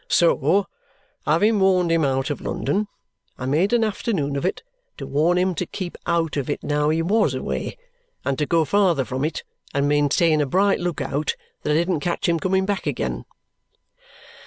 So having warned him out of London, I made an afternoon of it to warn him to keep out of it now he WAS away, and go farther from it, and maintain a bright look out that I didn't catch him coming back again."